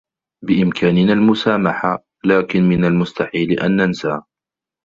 بإمكاننا المسامحة، لكن من المستحيل أن ننسى.